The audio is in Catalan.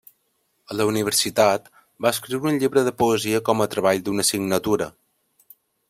A la universitat, va escriure un llibre de poesia com a treball d'una assignatura.